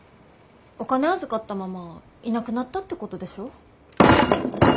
お金預かったままいなくなったってことでしょ？